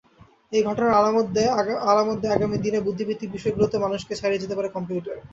এই ঘটনা আলামত দেয় আগামী দিনে বুদ্ধিভিত্তিক বিষয়গুলোতেও মানুষকে ছাড়িয়ে যেতে পারে কম্পিউটার।